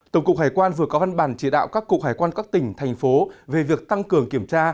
tổng cục hải quan vừa có văn bản chỉ đạo các cục hải quan các tỉnh thành phố về việc tăng cường kiểm tra